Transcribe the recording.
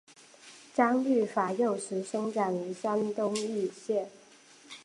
张玉法幼时生长于山东峄县。